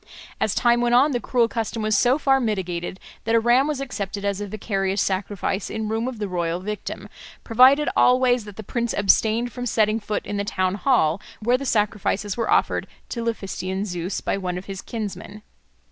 As time went on, the cruel custom was so far mitigated that a ram was accepted as a vicarious sacrifice in room of the royal victim, provided always that the prince abstained from setting foot in the town hall where the sacrifices were offered to Laphystian Zeus by one of his kinsmen.